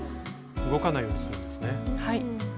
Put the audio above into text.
動かないようにするんですね。